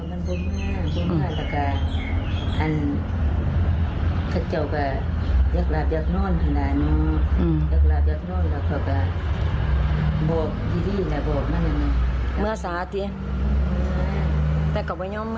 อันนี้ก็รู้ได้คนอยู่ทางนั้นก็โอเค